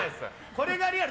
これがリアル。